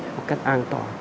một cách an toàn